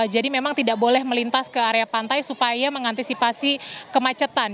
jadi memang tidak boleh melintas ke area pantai supaya mengantisipasi kemacetan